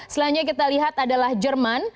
selanjutnya kita lihat adalah jerman